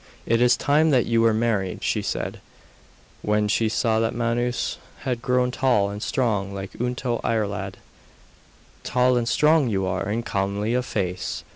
'It is time that you were married,' she said, when she saw that Manus had grown tall and strong like unto Iarlaid. 'Tall and strong you are, and comely of face.